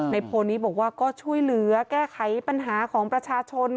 โพลนี้บอกว่าก็ช่วยเหลือแก้ไขปัญหาของประชาชน